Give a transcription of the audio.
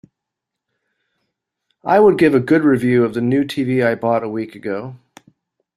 I would give a good review of the new TV I bought a week ago.